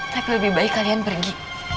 tapi lebih baik kalian pergi